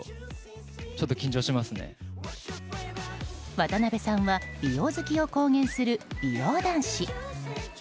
渡辺さんは美容好きを公言する美容男子。